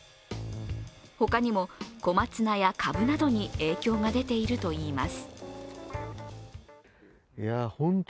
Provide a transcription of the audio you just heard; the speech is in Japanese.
他にも、小松菜やカブなどに影響が出ているといいます。